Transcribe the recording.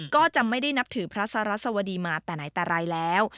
ก็จะไม่ได้นับถือพระสรัสวดีมาแต่ไหนแต่ไรแล้ว